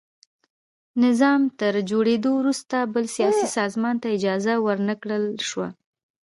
نظام تر جوړېدو وروسته بل سیاسي سازمان ته اجازه ور نه کړل شوه.